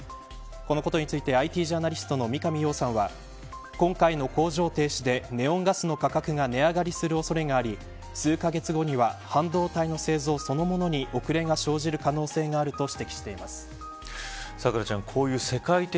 このことについてＩＴジャーナリストの三上洋さんは今回の工場停止でネオンガスの価格が値上がりする恐れがあり数カ月後には半導体の製造そのものに遅れが生じる可能性があると指摘しています。